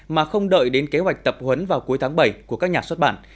mà không đợi đến kế hoạch tập huấn vào cuối tháng bảy của các nhà xuất bản